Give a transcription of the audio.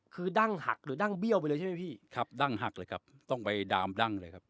คือดั้งหักหรือดั้งเบี้ยวไปเลยใช่ไหมพี่ครับดั้งหักเลยครับต้องไปดามดั้งเลยครับ